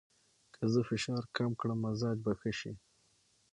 که زه فشار کم کړم، مزاج به ښه شي.